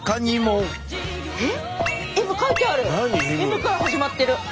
Ｍから始まってる！